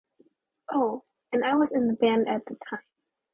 Oh, and I was in the band at the time.